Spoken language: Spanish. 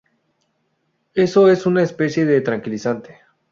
Eso es una especie de tranquilizante".